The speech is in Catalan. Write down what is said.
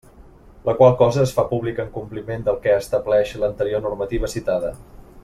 La qual cosa es fa pública en compliment del que estableix l'anterior normativa citada.